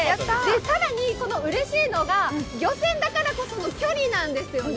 更にうれしいのが、漁船だからこその距離なんですよね。